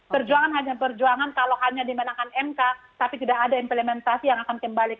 perjuangan hanya perjuangan kalau hanya dimenangkan mk tapi tidak ada implementasi yang akan kembali ke legislatif lagi mbak